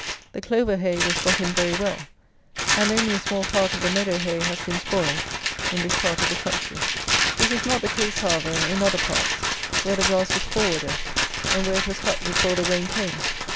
The clover hay was got in very well; and only a small part of the meadow hay has been spoiled in this part of the country. This is not the case, however, in other parts, where the grass was forwarder, and where it was cut before the rain came.